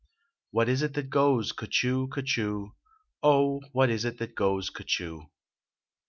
What is it that goes cuhchoo, cuhchoo ? Oh, what is it that goes cuhchoo?